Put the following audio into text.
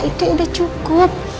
itu udah cukup